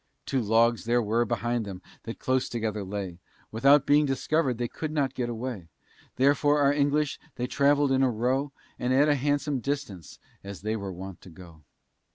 Two logs there were behind them that close together lay, Without being discovered, they could not get away; Therefore our valiant English they travell'd in a row, And at a handsome distance, as they were wont to go.